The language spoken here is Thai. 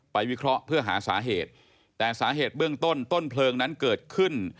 วิเคราะห์เพื่อหาสาเหตุแต่สาเหตุเบื้องต้นต้นเพลิงนั้นเกิดขึ้น